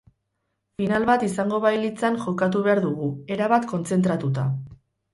Final bat izango bailitzan jokatu behar dugu, erabat kontzentratuta.